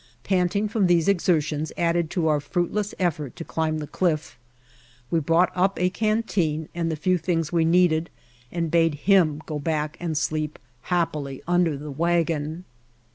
Panting from these exertions added to our fruit less effort to climb the cliff, we brought up a canteen and the few things we needed and bade him go back and sleep happily under the wagon.